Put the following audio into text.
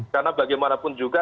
karena bagaimanapun juga